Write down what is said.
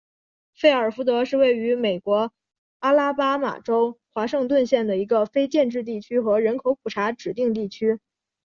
费尔福德是位于美国阿拉巴马州华盛顿县的一个非建制地区和人口普查指定地区。